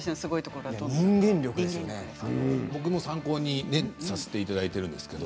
僕も参考にさせていただいてるんですけど